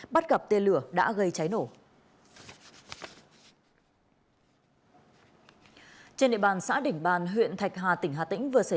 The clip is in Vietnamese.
bắt gặp tên lửa đã gây cháy nổ trên địa bàn xã đỉnh bàn huyện thạch hà tỉnh hà tĩnh vừa xảy